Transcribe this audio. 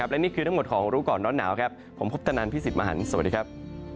และนี่คือทั้งหมดของรู้ก่อนร้อนหนาวครับผมพุทธนันพี่สิทธิ์มหันฯสวัสดีครับ